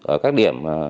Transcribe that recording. ở các điểm